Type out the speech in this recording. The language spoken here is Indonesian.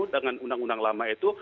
dengan undang undang lama itu